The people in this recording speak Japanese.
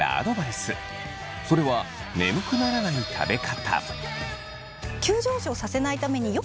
それは眠くならない食べ方。